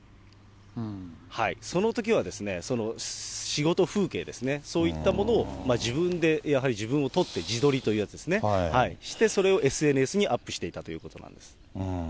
そのときはですね、仕事風景ですね、そういったものを自分で、やはり自分を撮って、自撮りというやつですね、して、それをＳＮＳにアップしていたということなんです。